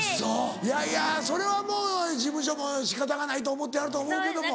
いやいやそれはもう事務所も仕方がないと思ってはると思うけども。